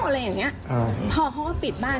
พ่อพ่อก็ปิดบ้าน